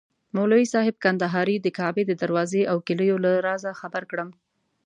مولوي صاحب کندهاري د کعبې د دروازې او کیلیو له رازه خبر کړم.